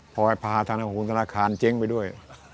พอพาธานาคูณธนาคารเจ๊งไปด้วย